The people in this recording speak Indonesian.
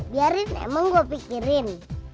biarin emang gua pikirin